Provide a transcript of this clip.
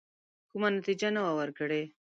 کومه نتیجه نه وه ورکړې.